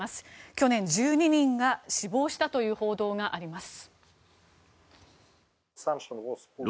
去年、１２人が死亡したという報道があります。